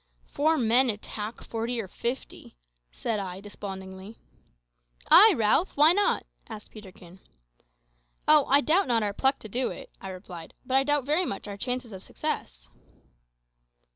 "Four men attack forty or fifty!" said I despondingly. "Ay, Ralph. Why not?" asked Peterkin. "Oh, I doubt not our pluck to do it," I replied; "but I doubt very much our chances of success."